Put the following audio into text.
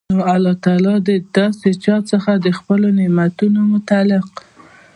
نو الله تعالی د داسي چا څخه د خپلو نعمتونو متعلق